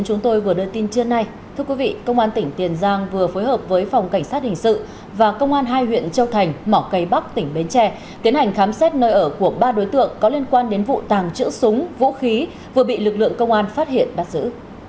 chúng tôi vừa đưa tin trưa nay thưa quý vị công an tỉnh tiền giang vừa phối hợp với phòng cảnh sát hình sự và công an hai huyện châu thành mỏ cây bắc tỉnh bến tre tiến hành khám xét nơi ở của ba đối tượng có liên quan đến vụ tàng trữ súng vũ khí vừa bị lực lượng công an phát hiện bắt giữ